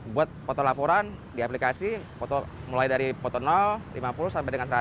buat foto laporan di aplikasi foto mulai dari foto lima puluh sampai dengan seratus